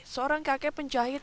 seorang kakek penjahit